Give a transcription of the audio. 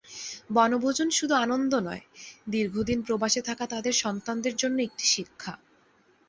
বনভোজন শুধু আনন্দ নয়, দীর্ঘদিন প্রবাসে থাকা তাঁদের সন্তানদের জন্য একটি শিক্ষা।